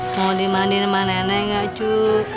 mau dimandiin sama nenek gak cu